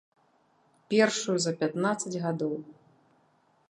Першую за пятнаццаць гадоў.